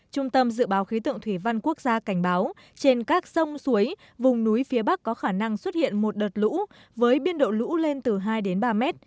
trung tâm dự báo khí tượng thủy văn quốc gia cảnh báo trên các sông suối vùng núi phía bắc có khả năng xuất hiện một đợt lũ với biên độ lũ lên từ hai đến ba mét